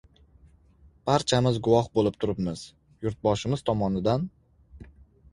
Barchamiz guvoh bo‘lib turibmiz, Yurtboshimiz tomonidan